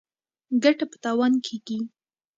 ـ ګټه په تاوان کېږي.